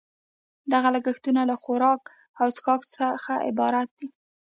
دغه لګښتونه له خوراک او څښاک څخه عبارت دي